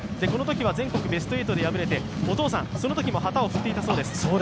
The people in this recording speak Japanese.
このときは全国ベスト８で敗れて、お父さん、そのときも旗を振っていたそうです。